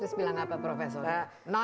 terus bilang apa profesor